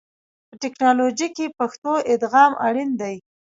په ټکنالوژي کې پښتو ادغام اړین دی.